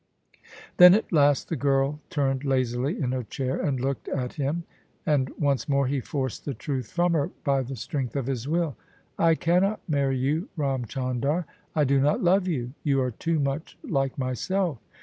Then at last the girl turned lazily in her chair and looked at him: and once more he forced the truth from her by the strength of his will. " I cannot marry you, Ram Chandar : I do riot love you : you are too much like myself.